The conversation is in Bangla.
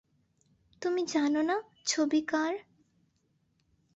তুমি জান না ছবি কার?